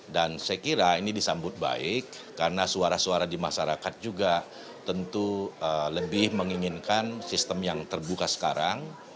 dan saya kira ini disambut baik karena suara suara di masyarakat juga tentu lebih menginginkan sistem yang terbuka sekarang